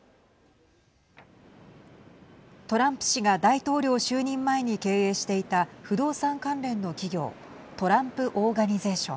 トランプ氏が大統領就任前に経営していた不動産関連の企業トランプ・オーガニゼーション。